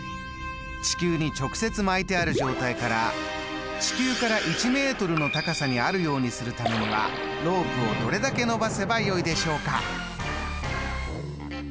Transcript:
地球に直接巻いてある状態から地球から１ｍの高さにあるようにするためにはロープをどれだけ伸ばせばよいでしょうか。